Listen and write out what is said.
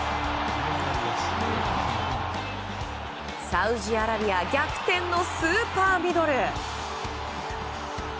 サウジアラビア逆転のスーパーミドル！